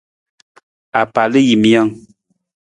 Apalajiimijang.